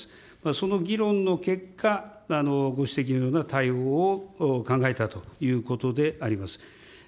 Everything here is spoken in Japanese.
その議論の結果、ご指摘のような対応を考えたということであります。